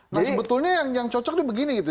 nah sebetulnya yang cocoknya begini gitu